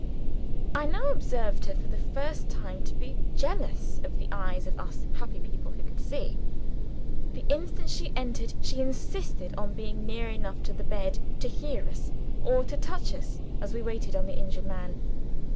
I now observed her, for the first time, to be jealous of the eyes of us happy people who could see. The instant she entered, she insisted on being near enough to the bed, to hear us, or to touch us, as we waited on the injured man.